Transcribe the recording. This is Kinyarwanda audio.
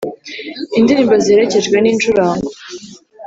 i nd i rimbo ziherekejwe n'i ncurango